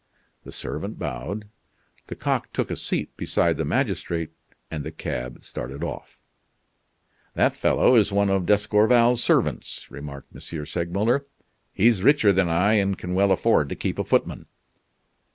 The servant bowed. Lecoq took a seat beside the magistrate and the cab started off. "That fellow is one of D'Escorval's servants," remarked M. Segmuller. "He's richer than I, and can well afford to keep a footman."